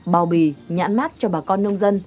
bào bì nhãn mát cho bà con nông dân